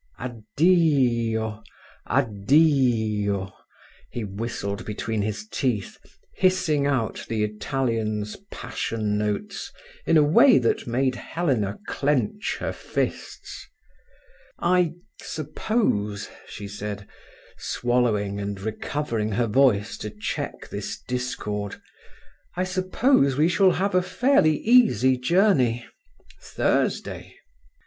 "Addi i i i o, Addi i i o!" he whistled between his teeth, hissing out the Italian's passion notes in a way that made Helena clench her fists. "I suppose," she said, swallowing, and recovering her voice to check this discord—"I suppose we shall have a fairly easy journey—Thursday."